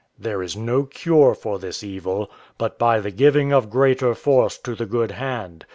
"There is no cure for this evil, but by the giving of greater force to the good hand.